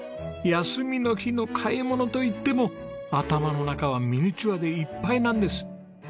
休みの日の買い物といっても頭の中はミニチュアでいっぱいなんです。